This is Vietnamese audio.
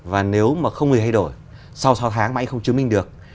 và nếu mà không hề thay đổi sau sáu tháng mà anh không chứng minh được